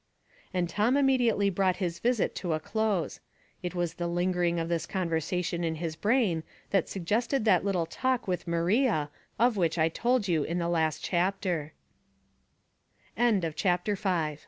And Tom immediately brought his visit to a close. It was the lingering of this conversation in his brain that suggested that little talk with Maria, of which I told you in the